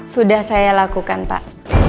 sudah saya lakukan pak